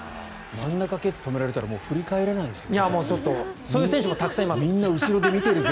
真ん中を蹴って止められたら帰れないですよね。